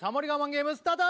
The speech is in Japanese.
ゲームスタート